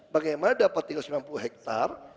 bagaimana dapat tiga ratus sembilan puluh hektar